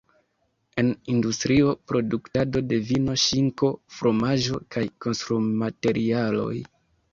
En industrio, produktado de vino, ŝinko, fromaĝo, kaj konstrumaterialoj.